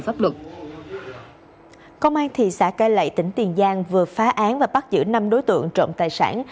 công an thị xã cai lậy tỉnh tiền giang vừa phá án và bắt giữ năm đối tượng trộm tài sản